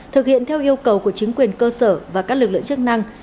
thực hiện theo yêu cầu của chính quyền cơ sở và các lực lượng chức năng